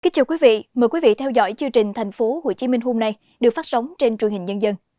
kính chào quý vị mời quý vị theo dõi chương trình thành phố hồ chí minh hôm nay được phát sóng trên truyền hình nhân dân